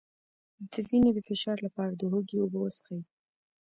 د وینې د فشار لپاره د هوږې اوبه وڅښئ